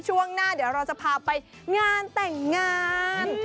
ช่วงหน้าเดี๋ยวเราจะพาไปงานแต่งงาน